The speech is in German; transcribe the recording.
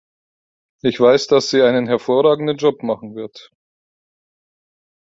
Ich weiß, dass sie einen hervorragenden Job machen wird.